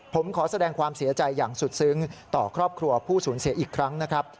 ผมขอแสดงความเสียใจอย่างสุดซึ้งต่อครอบครัวผู้สูญเสียอีกครั้งนะครับ